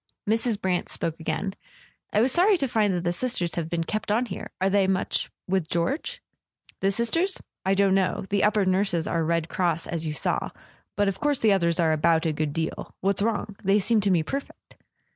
Mrs. Brant spoke again. "I was sorry to find that the Sisters have been kept on here. Are they much with George ?" "The Sisters? I don't know. The upper nurses are Red Cross, as you saw. But of course the others are about a good deal. What's wrong? They seem to me perfect."